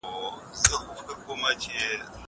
کتاب واخله!!